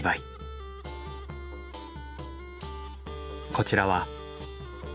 こちらは。